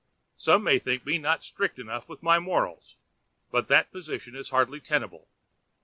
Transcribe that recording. Some may think me not strict enough in my morals, but that position is hardly tenable.